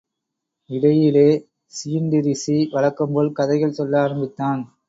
இடையிலே ஸீன்டிரீஸி வழக்கம் போல் கதைகள் சொல்ல ஆரம்பித்தான்.